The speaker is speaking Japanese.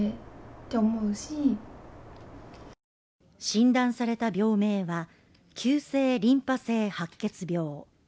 診断された病名は急性リンパ性白血病